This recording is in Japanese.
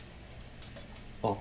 あっ。